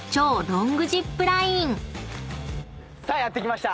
さあやって来ました。